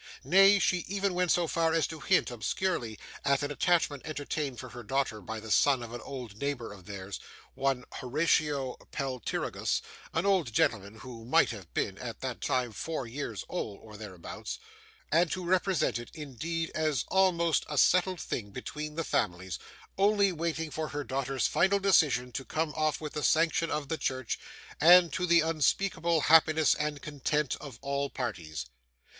Nay, she even went so far as to hint, obscurely, at an attachment entertained for her daughter by the son of an old neighbour of theirs, one Horatio Peltirogus (a young gentleman who might have been, at that time, four years old, or thereabouts), and to represent it, indeed, as almost a settled thing between the families only waiting for her daughter's final decision, to come off with the sanction of the church, and to the unspeakable happiness and content of all parties.